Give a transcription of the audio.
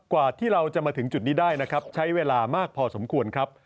กว่าที่เราจะมาถึงจุดนี้ได้นะครับใช้เวลามากพอสมควรครับ